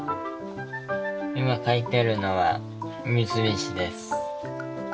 今描いてるのは三菱です。